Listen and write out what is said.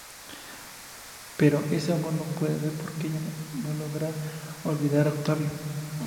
Pero ese amor no puede ser porque ella no logra olvidar a Octavio.